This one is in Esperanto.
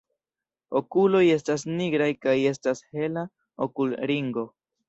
Okuloj estas nigraj kaj estas hela okulringo.